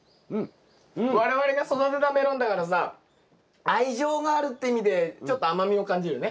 我々が育てたメロンだからさ愛情があるって意味でちょっと甘みを感じるね。